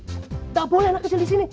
tidak boleh anak kecil di sini